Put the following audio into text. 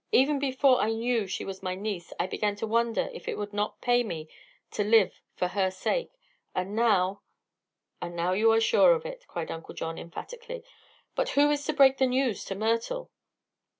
Even before I knew she was my niece I began to wonder if it would not pay me to live for her sake. And now " "And now you are sure of it," cried Uncle John, emphatically. "But who is to break the news to Myrtle?"